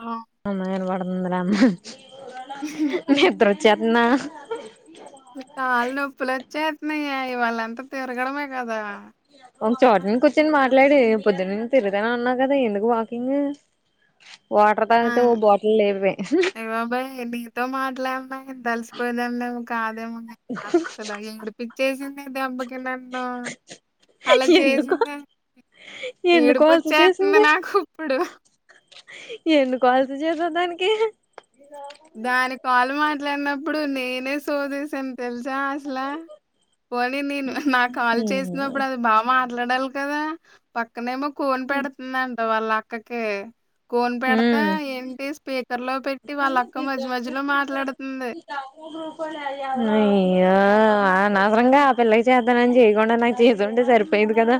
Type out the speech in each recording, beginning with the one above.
ఆ అమ్మ కి ఇనబడుతుంది రా అన్నాన్ నిద్ర వచ్చేతుందా చెప్ మే ఇగ ఇవాళ్ళంతా తిరగడమే కదా ఒక చోట ను కూర్చొని మాట్లాడి పొద్దున్న నుంచి తిరుగుతానే ఉన్నా కదా ఎందుకు వాకింగ్ [inaudible] వాటర్ తాగితే ఓ బాటిల్ లేవే బబయ్ నీతో మాట్లాడనాక తలిసిపోయ్దండి కాదేమో అస్సలు ఏడ్పించేసింది దెబ్బకి నన్నో అలా ఎందుకో చేసిందానికి ఎందుకు ఏడుపు అలస వచ్చేతుంది నాకు ఇప్పుడు ఎన్ను కాల్స్ చేసావ్ దానికి దాని కాలు మాట్లాడినప్పుడు నేనే సోదేసాను తెలుసా అసలా పోనీ నేను నా కాల్ చేసినప్పుడు అది బా మాట్లాడాలి కదా పక్కనేమో కోన్ పెడతుందంట వాళ్ళ అక్కకి కోన్ పెడతా ఏంటి స్పీకర్ లో పెట్టి వాళ్ళ మ్మ్ అనవసరంగా ఆ పిల్లకి చేద్దానని చేయకుండా నాకు చేసుంటే సరిపోయింది కదా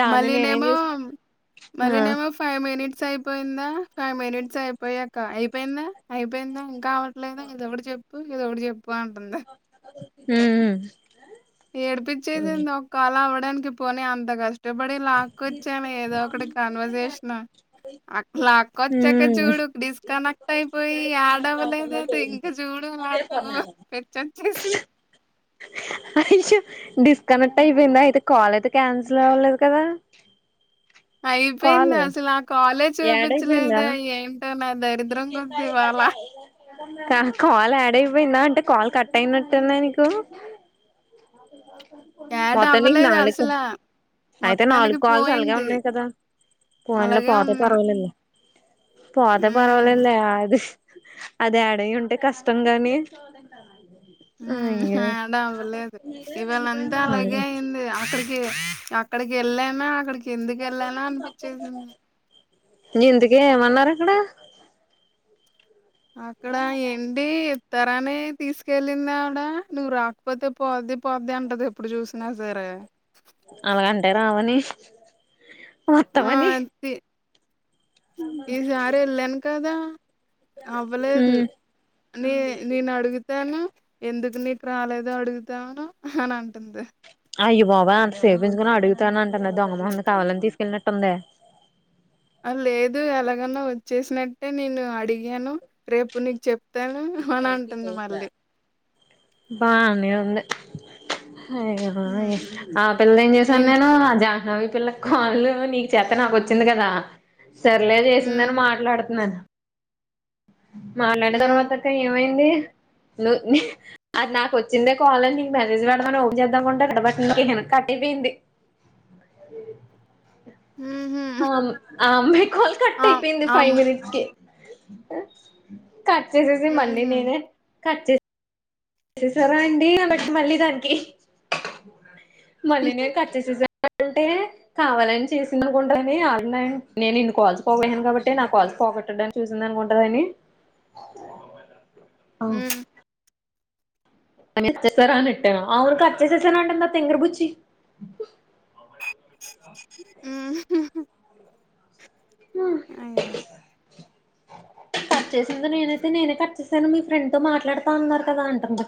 దాన్ని నేనేం మళ్ళీనేమో చేసా ఆ మళ్ళీనేమో ఫైవ్ మినిట్స్ అయిపోయిందా ఫైవ్ మినిట్స్ అయిపోయాక అయిపోయిందా అయిపోయిందా ఇంకా అవట్లేదా ఇదొకటి చెప్పు ఇదొకటి చెప్ప్ బావుంటుంది మ్మ్ ఏడిపిచ్చేసింది ఒక కాల్ అవ్వడానికి పోనీ అంత కష్టం బడి లాక్కొచ్చాను ఏదో ఒకటి కన్వర్సేషన్ అట్లాక్కొచ్చాక ఉమ్ చూడు డిస్కనెక్ట్ అయిపోయి యాడ్ అవ్వలేదు అది ఇంక చూడే వాడు పెచ్చొచ్చేసిం డిస్కనెక్ట్ అయిపోయింద అయితే కాల్ అయితే క్యాన్సిల్ అవ్వలేదు కదా [inaudible] అయిపొయింది కాల్ అసలు ఆ కాలే యాడ్ అయిపోయిందా చూపిచలేదే ఏం నా దరిద్రం గుంది ఇవ్వాల కాల్ యాడ్ అయిపోయిందా అంటే కాల్ కట్ అయినట్టుందా నీకు మాదిరిదౌ యాడ్ మొత్తం నీక్ అవ్వలేదు నాలుగు అసలా. అయితే మొత్తానికి నాలుగు కాల్స్ అలగే పోయింది. ఉన్నాయి కదా పోన్లే అలాగే పోత ఉన్నాయి. తొరగనిల్లె అంత హ్మ్. పర్వాలేదు లే ఆది అది యాడయ్యుంటే కష్టం గాని అయ్యో ఆడవ్వలేదు ఇవాళంతా అలాగే అయింది అస అక్కడికి ఎళ్ళాను అక్కడికి ఎందుకు ఎళ్ళాళా అనిపిచ్చేసింది నింతకే ఏమన్నారు అక్కడ అక్కడ ఏంటి తరానే తీసుకెళ్ళిన నువ్వు రాకపోతే పోద్ది పోద్ది అంటది ఎప్పుడు చూసినా సరే అలగంటే రావని మొత్తమని ఈ సారి ఎళ్ళాను కదా అవ్వలేదు ఉమ్ నీ నేనడుగు తాను ఎందుకు నీకు రాలేదు అడుగుతాను అనంటుంది అయ్య బాబోయ్ అంత సేపుంచుకుని అడుగుతానంటుంది, ఆ దొంగ మొహంది కావాలని తీసుకెళ్ళినట్టుందే. ఆ లేదు అలాగన్నా వచ్చేసినట్టు నేను అడిగాను రేపు నీకు చెప్తాను అనంటుంది మళ్ళీ బానే ఉంది హ్మ్. ఆ పిల్లనేం చేశాను ఇంట్ నేను జా ఈ పిల్లక్ కాళ్ళు లేవు నీకు చేత నాకొచ్చింది కదా సర్లే చేసిందని హ్మ్. మాట్లాడుతున్నా మాట్లాడిన హ్మ్. తర్వాతక్క ఏమైంది అది నాకు వచ్చిందే కాలని నీకు మెసేజ్ పెడమని ఓప చేద్దాంటే ఎక్కడ పట్టిన వెనకే రీండి ఊహు ఆ ఆ మీ కాల్ కట్ అయిపోయింది ఫైవ్ మినిట్స్ కి కర్చేసిసి హుహు. మల్ళినినే కర్చేసి మళ్ళీ నేను కట్ చేసేసా అంటే కావాలని చేసిందనుకుంటా మీ అమ్మే పోగొట్టడాని చూసిందనుకుంటదని మ్మ్ ఆవురు‌ కట్ చేసాసానంటుంది ఆ తింగర్బుచ్చి ఊ ఉ [inaudible] కట్ చేసింది నేనైతే నేనే కట్ చేసాను మీ ఫ్రెండ్ తో మాట్లాడుతా ఉన్నారు కదా అంటుంది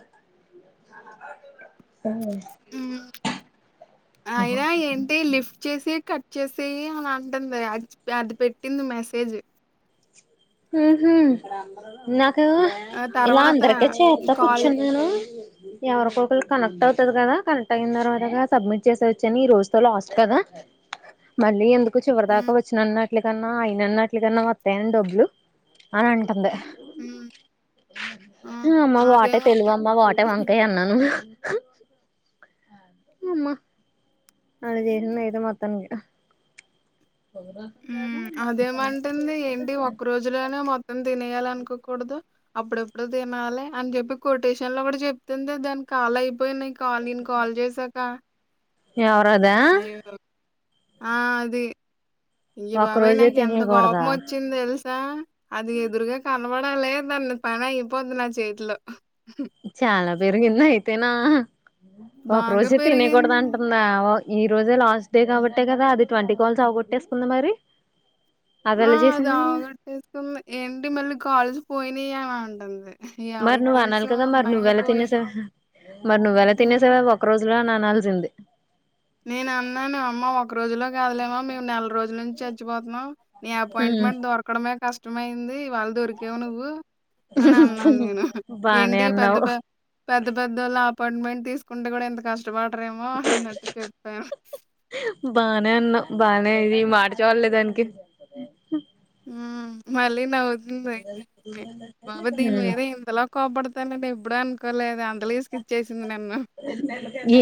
అయినా ఏంటి లిఫ్ట్ చేసి కట్ చేసేయి అలా అంటుంది అ అది పెట్టింది మెసేజ్ ఉహా నా కు ఆ ఇలా తర్వాత అందరికే చేస్తా కాల్ కూర్చున్నాను ఎవరికరు కనెక్ అవుతు హ్మ్. కదా కనెట్ అయిన తర్వాత సబ్మిట్ చేసేవచ్చని ఈ రోజుతో లాస్ట్ కదా మళ్ళీ ఎందుకు చివరి దాకా హ్మ్. వచ్చిన నా అట్ల కన్నా అయినన్న అట్లకన్నా వత్తాయిని డబ్బులు అని అంటుంది హ్మ్. ఆ! అమ్మ వాటే అదేమంట తెలుగు అమ్మ వాటే వంకాయ అన్నను అమ్మా అలా చేసంది అయితే మొత్తానికి అదేమంటుంది ఏంటి ఒక్క రోజులోనే మొత్తం తినే చేయాల అనుకోకూడదు అప్పుడ ఎప్పుడు తినాలి అని చెప్పి కొటేషన్ లో కూడా చెప్తుంది దానికి కాలయి పో నీకల్ నీన్ కల్ చేసక ఎవరదా ఆ అది అయ్య ఒక్క బాబోయ్ రోజే నాకు ఎంత కోపం తినేయకూడదా వచ్చింది తెలుసా అది ఎదురుగా కా కనబడాలే దాన్ను పని అయిపోద్ నా చేతిలో చాలా పెరిగింది అయితేనా ఒక బాగా రోజే తినేయకూడదు పెరిగింది. అంటున్నావు ఈ రోజే లాస్ట్ డే కాబట్టే కదా అది ట్వంటీ కాల్స్ అవగొట్టేసుకుంది మరి ఆ అదెలా అది చేసింది అవగోట్టేసుకుంది ఏంటి మళ్ళీ కాల్స్ పోయినా అని ఉంటుంది మరి నువ్వు అనాలి కదా మరి నువ్వేలా తినేసేవా మరి నువ్వెలా హ్మ్. తినేసేవా అవి ఒక రోజులో అనాలి అనాల్సింది నేను అన్నాను అమ్మ ఒక రోజులో కాదలేమో మేము నెల రోజుల నుంచి చచ్చిపోతున్నాం నీ అపాయింట్మెంట్ దొరకడమే కష్టమయింది వాళ్ళు దొరికేవు నువ్వు అని అన్నాను నేను బానే ఏంటి పెద్ద అన్నావు పె పెద్ద పెద్దోళ్ళ అపాయింట్మెంట్ తీసుకుంటే కూడా ఎంత కష్టపడరేమో అన్నట్ చెప్పు బానే ఉన్నా బానే ఇది మార్చేవాలలే దానికి మళ్ళీ నవ్వుతుంది బాబా దీని మీద ఇంతలా కోపడుతు తండి ఎప్పుడూ అనుకోలేదు అందుకకి స్కిచ్సింది నన్ను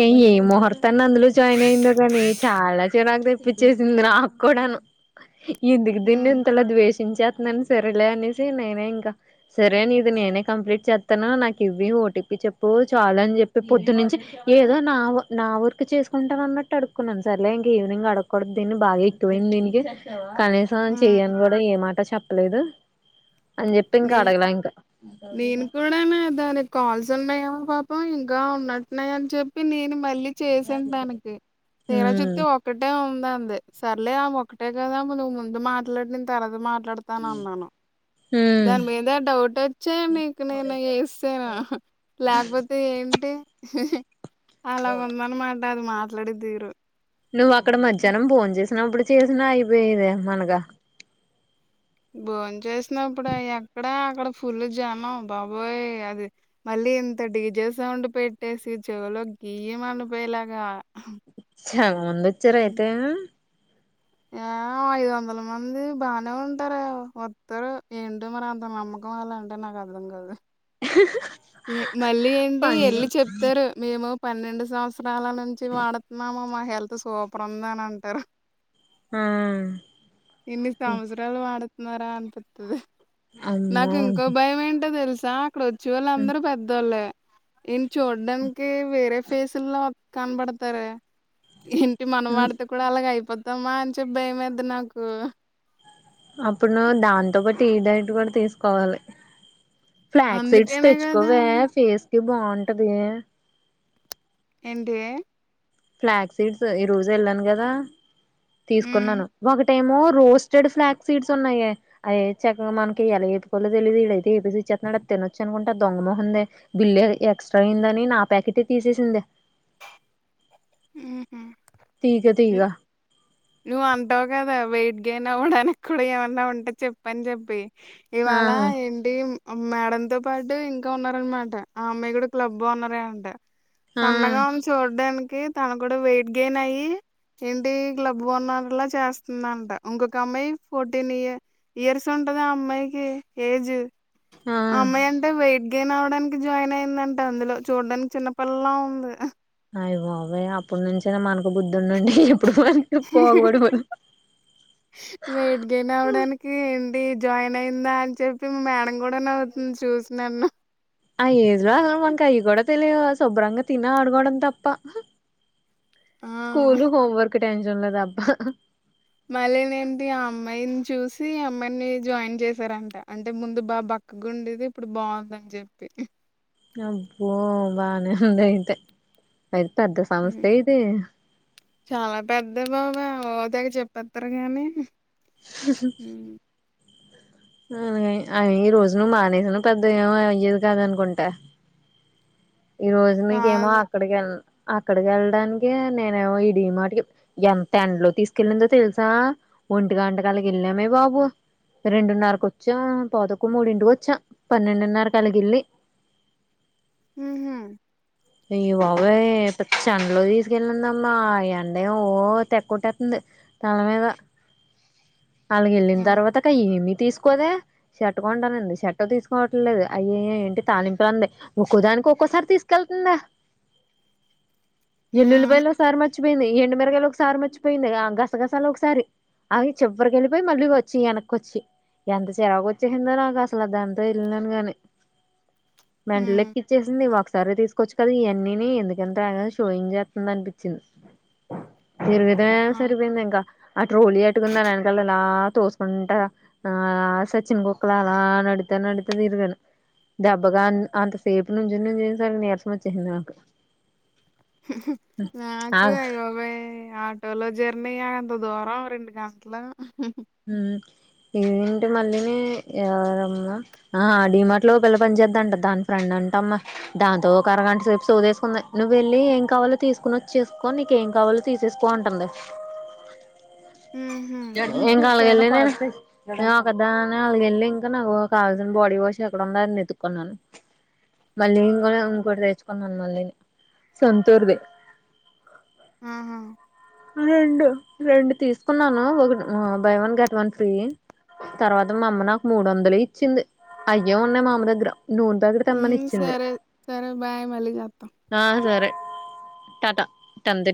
ఏ ఏ ముహూర్తాన్ని అందులో జాయిన్ అయిందో కాని చాలా నాకు తెప్పించేసింది నాకు కూడాను ఎందుకు దీని హ్మ్. ఇంతలా ద్వేషి న్నా సరేలే అనేసి నేనే ఇంకా సరే అని ఇది నేనే కంప్లీట్ చేస్తాను నాకు ఇవ్వు ఇవ్వు ఓటీపీ చెప్పు చాలా అని చెప్ పొద్దునుంచి ఏదో నా నా వర్క్ చేసుకుంటాను అన్నట్టు అడుక్కున్నాను సార్లే ఇంక ఈవినింగ్ అడుక్కూడదు దీన్ని బాగా ఎక్కువయింది దీనికి కనీసం హ్మ్. చెయ్యని కూడా ఏమాట చెప్పలేదు అని చెప్పి నే ఇంకా అడగలే ఇంకా నేను కూడా నా దానికి కాల్స్ ఉన్నాయమ పాపం ఇంకా ఉన్నట్టున్నాయి అని చెప్పి నేను మళ్ళీ చేశాను తనకి తీరా ఉమ్ చూస్తే ఒక్కటే ఉందా ది సరలే ఆ ఒకటే కదామ్ నువ్వు ముందు మాట్లాడి నేను తర్వాత మాట్లాడతాన అన్నాను ఉమ్ దాని మీద డౌట్ వచ్చా నకు నేను చేస్తాను లేకపోతే ఏం అంటే అలాగుందన్నమాట అది మాట్లాడే తీరు నువ్వు అక్కడ మధ్యాహ్నం బోన్ చేసినప్పుడు చేసినా అయిపోయేద మనగా భోని చేసినప్పుడు ఎక్కడా అక్కడ ఫుల్ జనం బాబోయ్ అది మళ్ళీ ఇంత డిజే సౌండ్ పెట్టేసి చెవలో గీం అనిపోయేలాగా చాలామంది వచ్చార అయితే యావు ఐదు వందల మంది బానే ఉంటార వత్తరు ఏంట మరి అంత నమ్మకం వాళ్ళ అంటే నాకు అర్థం కాదే మళ్ళీ ఏంటి పని ఎల్లీ చెప్తారు మేము పన్నెండు సంవత్సరాల నుండి వాడుతున్నామా మా హెల్త్ సూపర్ ఉంది అని అంటారు ఆ ఇన్ని సంవత్సరాలు వాడుతున్నారా అనిపితది నాకు అమ్మో ఇంకో భయం ఏంటో తెలుసా అక్కడ వచ్చే వాళ్ళు అందరు పెద్దోళ్ళే ఈయన చూడ్డానికి వేరే ఫేసుల్లో కనపడతారే ఇంటి మనం ఆడితే కూడా అలాగ అయిపోతు మత్తమా అని చెప్ప భయం యిది నాకు అప్పుడు ను దాంతోపాటు ఈ డైట్ కూడా తీసుకోవాలి ఫ్లాక్ సీడ్స్ అందుకేనే కదా తెచ్చుకోవే ఫేస్ కి బాగుంటది. ఎంటే ఫ్లాగ్ సీడ్స్ ఈ రోజు వెళ్ళాను కదా ఉమ్ తీసుకున్నాను ఒకటి ఏమో రోస్టెడ్ ఫ్లాక్ సీడ్స్ ఉన్నయే అద చక్కగా మనకి ఎలా ఏకోలో తెలిదు ఐతే ఇచ్చేతునడు తినొచ్చు అనుకుంటే దొంగమొహందంది బిల్ ఎక్స్ట్రా అయిందని నా ప్యాకెట్నే తీసేసింది [inaudible] ఉహు తీగ తీగ నువ్ అంటావ్ కదా వెయిట్ గేన్ అవ్వడానికి కూడా ఏమన్నా ఉంటే చెప్పని చెప్పి ఆ ఇవాళ ఏంటి మేడమ్ తో పాటు ఇంకా ఉన్నారనమాట ఆ అమ్మాయి కూడా క్లబ్ ఓనర్ ఏ అంట ఆ సన్నగా ఉని చూడడానికి తను కూడా వెయిట్ గెయిన్ అయ్యి ఏంటి క్లబ్ ఓనర్లా చేస్తుందంట ఇంకొక అమ్మాయి ఫోర్టీన్ ఇయర్ ఇయర్స్ ఉ ఉంటంది అమ్మాయికి ఏజ్ ఆ అమ్మాయి అంట వెయిట్ గేన్ అవడానికి జాయిన్ అయిందంటే అందులో చూడ్డానికి చిన్న పిల్లలా ఉంది అయ బాబాయ్ అప్పడు నుంచేనా మనకు బుద్ధి ఉండి ఉంటే అప్పుడు మ పోగబడ మ వెయిట్ గెయిన్ అవడానికి ఏంటి జాయిన్ అయిందా అని చెప్పి మేడం కూడా నవ్వుతుంది చూసి నన్న ఆ ఏజ్ లో అసలు మనకి అవి కూడా తెలియదు శుభ్రంగా తిన ఆడుకోవడం తప్ప ఆ స్కూల్ హోమ్వర్క్ టెన్షన్ లు తప్ప మళ్ళీ నేంటి ఆ అమ్మాయిని చూసి అమ్మాయిని జాయిన్ చేసారంట అంటే ముందు బా గుండేది ఇప్పుడు బాగుందని చెప్పి అబ్బో బానే ఉందితయితే అయి పెద్దా సంస్థ ఏ ఇది చాలా పెద్దె బాబాయ్ ఓదగ చెప్పస్తారు గాని [inaudible] అలాగా ఈ రోజునువు మానేసను పెద్ద ఏమో అయ్యేదు కాదనుకుంట ఈ రోజు నీకేమో కాదు అక్కడికి వెళ్ళ అక్కడికి వెళ్ళడానికి నేను ఇ డిమార్ట్కి ఎంత ఎండలో తీసుకెళ్ళిందో తెలుసా ఒంటిగాంటకాలకి వెళ్ళామే బాబు రెండున్నరకు వచ్చాము పవ్ధక్క మూడింటికి వచ్చా పన్నెండున్నర కలిగిల్ళలి ఉహు అయ్యా బాబయ్ ఇ ఎండలో తీసుకెళ్లిందమ్మా ఈ ఎండ ఏ ఓ తేక్కుతట్టతుంది. తలమీద [inaudible] అలాగ వెళ్ళిన ఆ తర్వాత కయ ఏమి తీసుకోదే చెట్టుకోంటనంది చెట్ తీసుకోవట్ంలేదు అయ్య ఏంటి తాలింపులంది ఇన్క్కుదాని ఇంక ఒక్కసారి తీసుకెళ్తుందా ఆ ఎల్లులి పాయలుసారి మ మర్చిపోయింది ఎండు మిరగాయలు ఒకసారి మర్చిపోయింది గసగసాలు ఒకసారి అవి చివరికి వెళ్ళిపోయి మళ్ళీ వచ్చి వెనక్కిచ్చి ఎంత చిరాకు వచ్చేసిందో నాకు అసలు దాంతో వెళ్ళినాను గాని మెంటల్ హ్మ్ ఎక్కిచ్చేసింది ఒకసారి తీసుకు వచ్చు కదా ఇవన్నీని ఎందుకు ఇంత షోయింగు చేతది అనిపించింది. ఆ జరుగుతానయి సరిపోయింది ఇంకా ఆ ట్రోలీ అట్టుకొని దాని ఎనకల ఇలా తోసుకుంటా ఆ సచ్చిన కుక్క లా అలా న తిరుగుతానే ఉండుతుంది దెబ్బగా అంత సేపు నుంచుని చూసాను మ చేసింది నాకు నాకు ఆగ్ అయబాబోయ్ ఆటోలో జర్నీ యా అంత దూరం రెండు గంటలు మ్ ఇవేంటి మల్లిని ఆ డిమార్ట్ లో ఓ పిల్ల పని చేద్దంట దాని ఫ్రెండ్ అం టమ్మ దాంతో ఒక అరగంట సేప్ సోది వేసుకుంది నువెళ్ళి ఏం కావాలో తీసుకొనిచ్చేసుకో నీకేం కావా లో తీసేసుకో అంటుంది [inaudible] ఉహూ ఏం కావాలో ఎల్లి నెన్ ఒకదాని అలాగేల్లి ఇంకా నాకు కావాల్సిన బాడీ వాష్ ఎక్కడుందా అని వెతుకున్నాను [inaudible] మళ్ళీ నేన్ కూడా ఇంకోటి తెచ్చుకున్నాను మళ్ళీని సొంతూర్ది అ హా రెండు రెండు తీసుకున్నాను ఒకటి buy one get one free తర్వాత మా అమ్మ నాకు మూడు వందలే ఇచ్చింది అయ్యే ఉన్నాయి మా అమ్మ దగ్గర నూనె ప్యాకెట్ తెమ్మని హ్మ్ ఇచ్చింది సరే సరే బాయ్ మళ్ళీ చేత్తా ఆ సరే టాట టంది